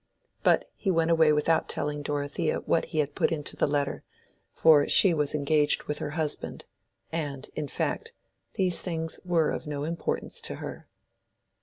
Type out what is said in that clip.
But he went away without telling Dorothea what he had put into the letter, for she was engaged with her husband, and—in fact, these things were of no importance to her.